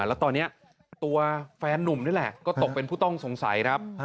แล้วตอนนี้ตัวแฟนนุ่มนี่แหละก็ตกเป็นผู้ต้องสงสัยครับ